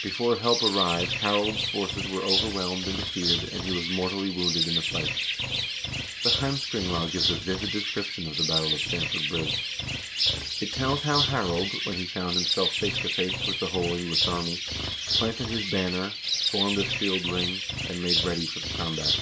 Before help arrived, Harald's forces were overwhelmed and defeated, and he was mortally wounded in the fight. The "Heimskringla" gives a vivid description of the battle of Stamford Bridge. It tells how Harald, when he found himself face to face with the whole English army, planted his banner, formed a shield ring, and made ready for the combat.